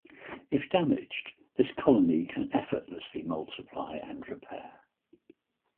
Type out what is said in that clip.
If damaged, this colony can effortlessly multiply and repair.